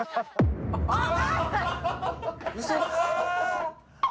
・あっ！